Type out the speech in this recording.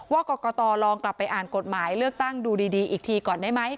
กรกตลองกลับไปอ่านกฎหมายเลือกตั้งดูดีอีกทีก่อนได้ไหม